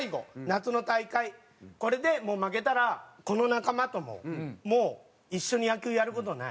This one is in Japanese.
これでもう負けたらこの仲間とももう一緒に野球やる事ない。